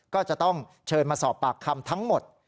ก็จะต้องเชิญมาสอบปากคำทั้งหมด